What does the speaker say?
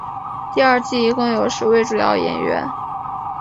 第二季一共有十位主要演员。